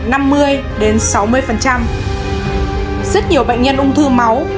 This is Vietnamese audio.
rất nhiều bệnh nhân ung thư máu